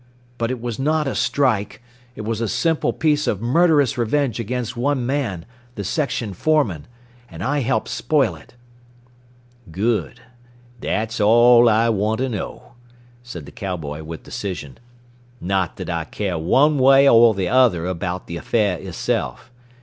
But it was not a strike. It was a simple piece of murderous revenge against one man, the section foreman. And I helped spoil it." "Good. That's all I want to know," said the cowboy with decision. "Not that I care one way or the other about the affair itself.